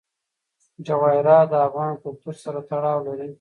جواهرات د افغان کلتور سره تړاو لري.